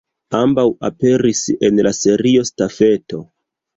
Ambaŭ aperis en la Serio Stafeto.